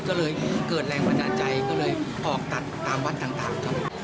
ก็เลยยิ่งเกิดแรงบันดาลใจก็เลยออกตัดตามวัดต่างครับ